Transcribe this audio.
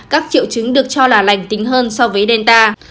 các triệu chứng được cho là lành tính hơn so với delta